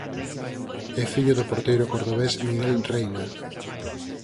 É fillo do porteiro cordobés Miguel Reina.